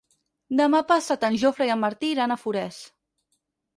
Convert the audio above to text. Demà passat en Jofre i en Martí iran a Forès.